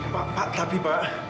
pak tapi pak